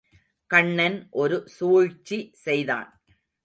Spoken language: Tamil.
கண்ணன் ஒரு சூழ்ச்சி செய்தான்.